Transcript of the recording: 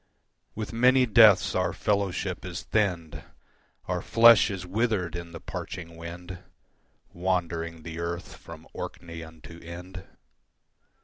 With many deaths our fellowship is thinned, Our flesh is withered in the parching wind, Wandering the earth from Orkney unto Ind.